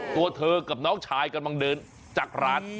ตัวเธอกับน้องชายกำลังเดินจากร้าน